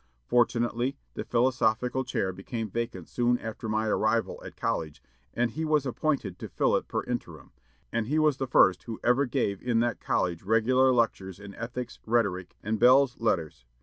Fortunately, the philosophical chair became vacant soon after my arrival at college, and he was appointed to fill it per interim; and he was the first who ever gave in that college regular lectures in ethics, rhetoric, and belles lettres.